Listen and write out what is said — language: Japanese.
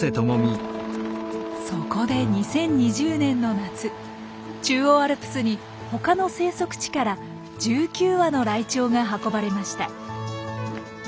そこで２０２０年の夏中央アルプスに他の生息地から１９羽のライチョウが運ばれました。